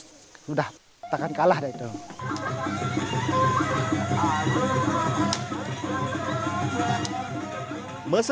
masyarakat adat sasak mengandungi perusahaan yang berbeda